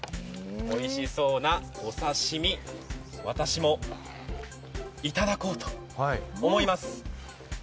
おいしそうなお刺身、私もいただこうと思います。